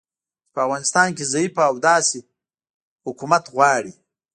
چې په افغانستان کې ضعیفه او داسې حکومت غواړي